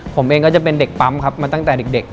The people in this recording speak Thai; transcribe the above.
ผมเองก็จะเป็นเด็กปั๊มครับมาตั้งแต่เด็ก